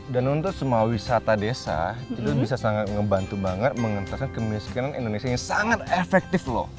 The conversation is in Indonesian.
dan untuk semua wisata desa itu bisa sangat membantu banget mengentaskan kemiskinan indonesia yang sangat efektif loh